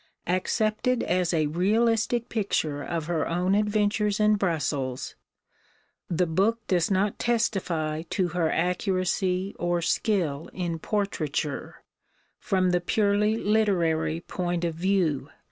Accepted as a realistic picture of her own adventures in Brussels, the book does not testify to her accuracy or skill in portraiture, from the purely literary point of view.